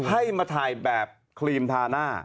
ให้มาถ่ายแบบครีมทาหน้า